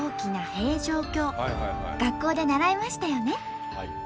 学校で習いましたよね。